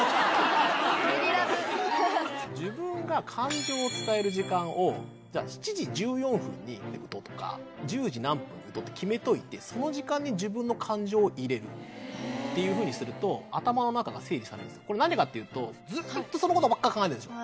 自分が感情を伝える時間をじゃあ７時１４分にとか１０時何分と決めといてその時間に自分の感情を入れるへえていうふうにするとこれ何でかっていうとずっとそのことばっか考えるでしょ？